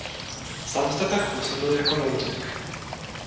Sám zde pak působil jako rolník.